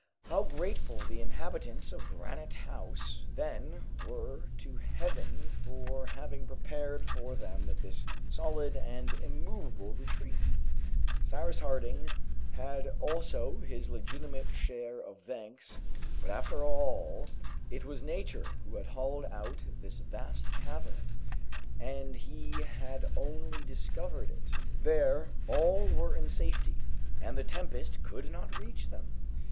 How grateful the inhabitants of Granite House then were to Heaven for having prepared for them this solid and immovable retreat! Cyrus Harding had also his legitimate share of thanks, but after all, it was Nature who had hollowed out this vast cavern, and he had only discovered it. There all were in safety, and the tempest could not reach them.